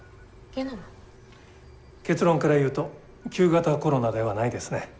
結論から言うと旧型コロナではないですね。